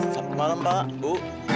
selamat malam pak bu